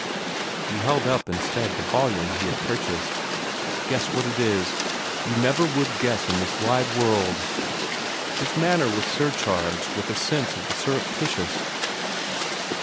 He held up instead the volume he had purchased. "Guess what that is! You never would guess in this wide world!" His manner was surcharged with a sense of the surreptitious.